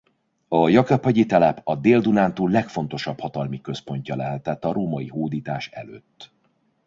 A Jakab-hegyi telep a Dél-Dunántúl legfontosabb hatalmi központja lehetett a római hódítás előtt.